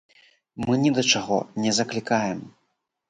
Мы ні да чаго не заклікаем.